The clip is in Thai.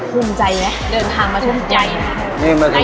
ภูมิใจไหมเดินทางมาทุ่มใจ